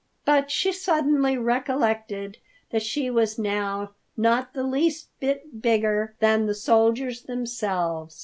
But she suddenly recollected that she was now not the least bit bigger than the soldiers themselves.